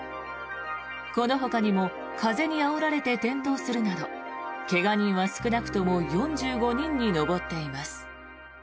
このほかにも風にあおられて転倒するなど怪我人は少なくとも４５人に上っています。